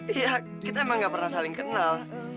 iya kita emang gak pernah saling kenal